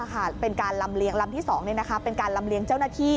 เป็นการลำเลียงลำที่๒เป็นการลำเลียงเจ้าหน้าที่